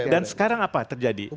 dan sekarang apa terjadi